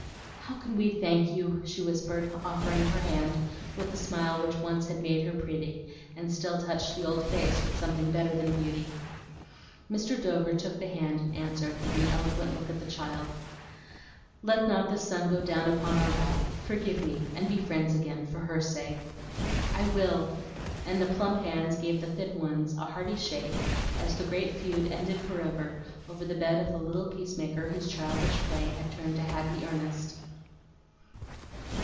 "How can we thank you?" she whispered, offering her hand, with the smile which had once made her pretty, and still touched the old face with something better than beauty. Mr. Dover took the hand and answered, with an eloquent look at the child, "Let not the sun go down upon our wrath. Forgive me and be friends again, for her sake." "I will!" And the plump hands gave the thin ones a hearty shake as the great feud ended forever over the bed of the little peacemaker whose childish play had turned to happy earnest.